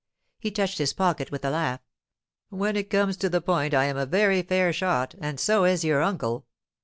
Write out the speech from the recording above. He touched his pocket with a laugh. 'When it comes to the point I am a very fair shot, and so is your uncle.